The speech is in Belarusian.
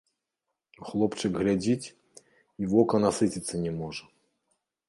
Хлопчык глядзіць, і вока насыціцца не можа.